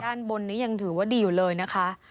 ด้านบนนี้ยังถือว่าดีอยู่เลยนะคะ